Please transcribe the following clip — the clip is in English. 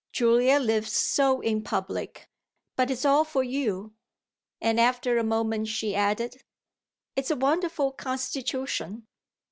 Julia lives so in public. But it's all for you." And after a moment she added: "It's a wonderful constitution."